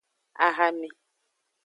Ahame.